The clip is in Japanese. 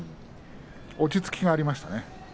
落ち着きがありましたね。